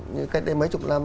như cách đây mấy chục năm